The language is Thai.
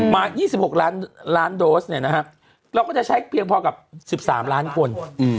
มา๒๖ล้านโดสเราก็จะใช้เพียงพอกับ๑๓ล้านคน